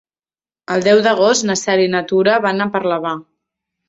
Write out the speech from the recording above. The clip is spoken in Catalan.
El deu d'agost na Cel i na Tura van a Parlavà.